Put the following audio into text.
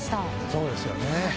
そうですよね。